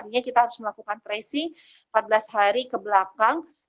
artinya kita harus melakukan tracing empat belas hari kebelakang